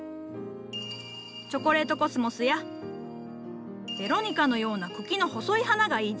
チョコレートコスモスやベロニカのような茎の細い花がいいぞ。